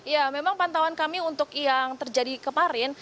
ya memang pantauan kami untuk yang terjadi kemarin